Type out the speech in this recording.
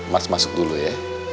mas masuk dulu ya